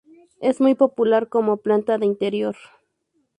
Es muy popular como planta de interior.